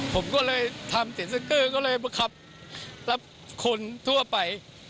ผมก็เลยทำติดสังเกิดก็เลยมาขับรับคนทั่วไป